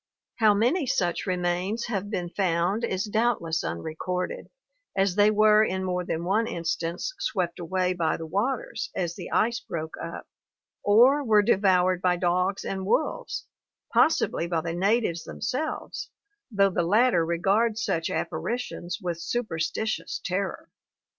How many such re mains have been found is doubtless unrecorded, as they were in more 409 410 ORGANIC EVOLUTION than one instance swept away by the waters as the ice broke up, or were devoured by dogs and wolves, possibly by the natives them selves though the latter regard such apparitions with superstitious terror.